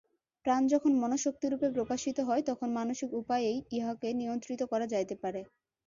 প্রাণ যখন মনঃশক্তিরূপে প্রকাশিত হয়, তখন মানসিক উপায়েই উহাকে নিয়ন্ত্রিত করা যাইতে পারে।